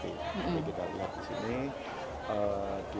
jadi kita lihat di sini